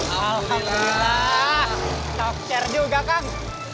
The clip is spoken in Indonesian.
ah soker juga kang